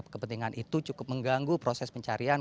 kepentingan itu cukup mengganggu proses pencarian